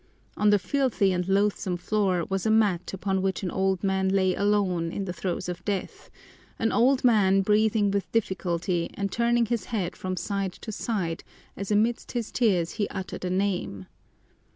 On the filthy and loathsome floor was a mat upon which an old man lay alone in the throes of death, an old man breathing with difficulty and turning his head from side to side as amid his tears he uttered a name.